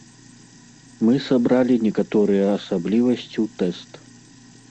Мы сабралі некаторыя асаблівасці ў тэст.